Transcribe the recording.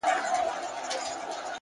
وخت د هر فرصت اندازه کوي